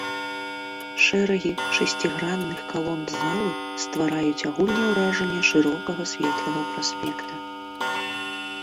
Шэрагі шасцігранных калон залы ствараюць агульнае ўражанне шырокага светлага праспекта.